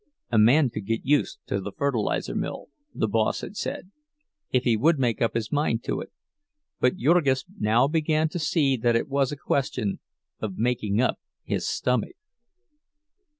A man could get used to the fertilizer mill, the boss had said, if he would make up his mind to it; but Jurgis now began to see that it was a question of making up his stomach.